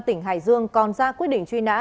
tỉnh hải dương còn ra quy định truy nã